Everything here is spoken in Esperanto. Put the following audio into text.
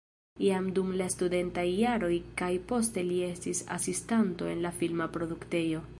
Jam dum la studentaj jaroj kaj poste li estis asistanto en la filma produktejo.